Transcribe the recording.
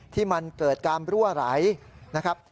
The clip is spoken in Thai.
ที่มันเกิดการรั่วไหลนะครับ